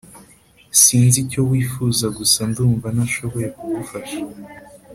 sinzi icyo wifuza gusa ndumva ntashoboye kugufasha